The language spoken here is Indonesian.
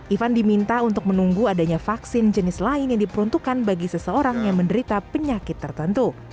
ivan diminta untuk menunggu adanya vaksin jenis lain yang diperuntukkan bagi seseorang yang menderita penyakit tertentu